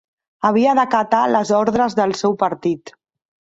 Havia d'acatar les ordres del seu partit